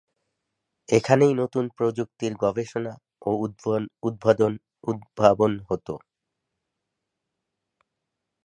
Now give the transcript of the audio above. এখানেই নতুন প্রযুক্তির গবেষণা ও উদ্ভাবন হতো।